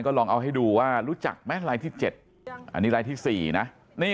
ลองเอาให้ดูว่ารู้จักไหมลายที่๗อันนี้ลายที่๔นะ